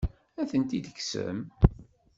Ad tent-id-tekksem?